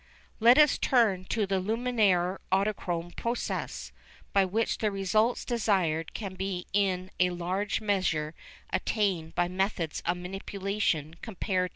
Let us turn to the Lumière autochrome process, by which the results desired can be in a large measure attained by methods of manipulation comparatively simple.